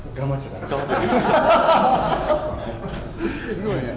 すごいね。